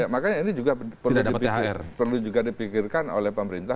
makanya ini juga perlu juga dipikirkan oleh pemerintah